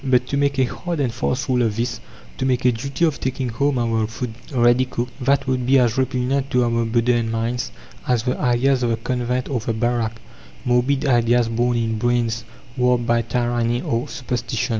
But to make a hard and fast rule of this, to make a duty of taking home our food ready cooked, that would be as repugnant to our modern minds as the ideas of the convent or the barrack morbid ideas born in brains warped by tyranny or superstition.